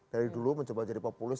dari dulu mencoba jadi populis